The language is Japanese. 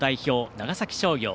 長崎商業。